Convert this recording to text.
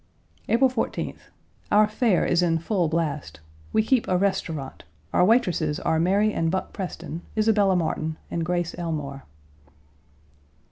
April 14th. Our Fair is in full blast. We keep a restaurant. Our waitresses are Mary and Buck Preston, Isabella Martin, and Grace Elmore.